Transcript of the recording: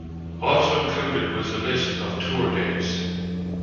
Also included was a list of tour dates.